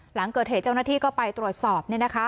หลังเกิดเหตุเจ้าหน้าที่ก็ไปตรวจสอบเนี่ยนะคะ